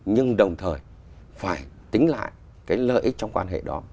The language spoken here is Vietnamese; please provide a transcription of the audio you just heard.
nhưng đồng thời phải tính lại cái lợi ích trong quan hệ đó